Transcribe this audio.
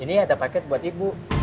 ini ada paket buat ibu